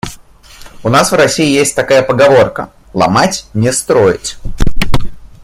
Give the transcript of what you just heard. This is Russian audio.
У нас в России есть такая поговорка: "Ломать — не строить".